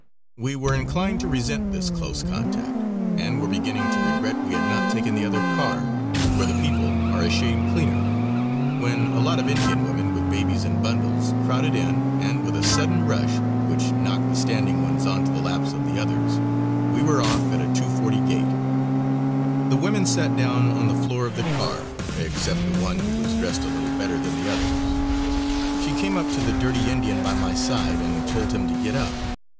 We were inclined to resent this close contact, and were beginning to regret we had not taken the other car, where the people are a shade cleaner, when a lot of Indian women, with babies and bundles, crowded in, and, with a sudden rush which knocked the standing ones on to the laps of the others, we were off at a 2:40 gait. The women sat down on the floor of the car, except one who was dressed a little better than the others. She came up to the dirty Indian by my side and told him to get up.